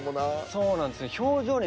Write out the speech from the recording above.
そうなんですよ。